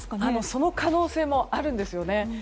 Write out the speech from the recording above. その可能性もあるんです。